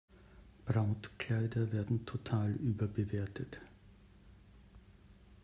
Brautkleider werden total überbewertet.